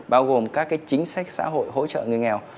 bao gồm các chính sách xã hội hỗ trợ người nghèo